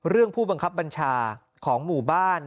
ผู้บังคับบัญชาของหมู่บ้าน